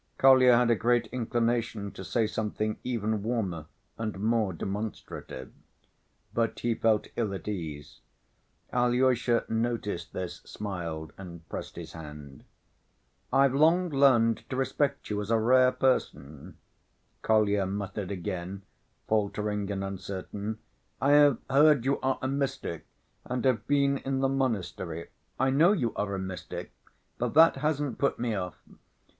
Kolya had a great inclination to say something even warmer and more demonstrative, but he felt ill at ease. Alyosha noticed this, smiled, and pressed his hand. "I've long learned to respect you as a rare person," Kolya muttered again, faltering and uncertain. "I have heard you are a mystic and have been in the monastery. I know you are a mystic, but ... that hasn't put me off.